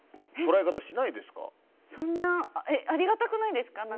みたいなありがたくないですか。